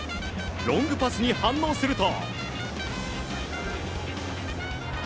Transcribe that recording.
ロングパスに反応すると。